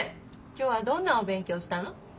今日はどんなお勉強したの？